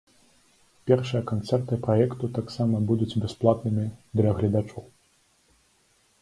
Першыя канцэрты праекту таксама будуць бясплатнымі для гледачоў.